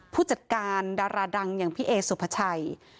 ผู้จัดการดาราดังอย่างพี่เอสุภาชัย